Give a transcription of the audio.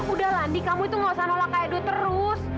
udah ndi kamu itu nggak usah nolak kak edo terus